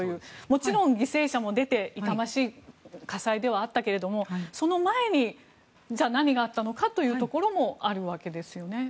もちろん、犠牲者も出てつらい火災ではあったけどもその前に何があったのかもあるわけですね。